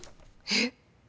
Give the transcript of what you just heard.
えっ！